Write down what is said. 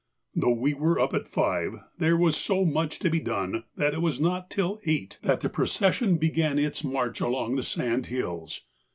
Though we were up at five, there was so much to be done that it was not till eight that the procession began its march along the sandhills.